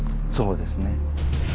そうですね。